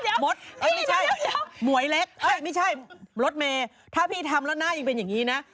มดเอ้ยไม่ใช่หมวยเล็กไม่ใช่รถเมย์ถ้าพี่ทำแล้วหน้ายังเป็นอย่างนี้นะ